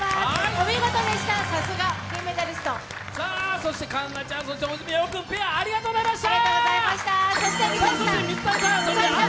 お見事でした、さすが金メダリスト環奈ちゃん、大泉洋君ペアありがとうございました。